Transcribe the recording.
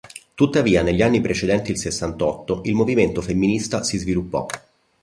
Tuttavia negli anni precedenti il Sessantotto il movimento femminista si sviluppò.